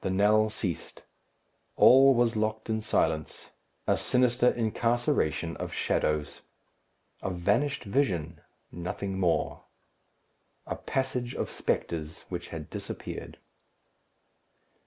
The knell ceased. All was locked in silence. A sinister incarceration of shadows. A vanished vision; nothing more. A passage of spectres, which had disappeared.